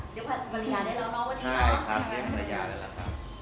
ยากว่าบรรยาได้แล้วเนาะแม่งวัชิก